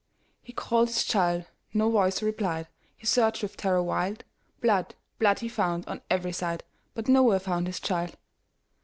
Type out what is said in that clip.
He called his child,—no voice replied,—He searched with terror wild; Blood, blood, he found on every side, But nowhere found his child.